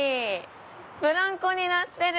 ブランコになってる！